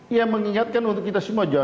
ya mengingatkan untuk kita semua juga